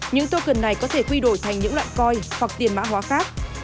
những token này có thể quy đổi thành những loại coi hoặc tiền mã hóa khác